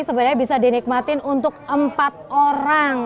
sebenarnya bisa dinikmatin untuk empat orang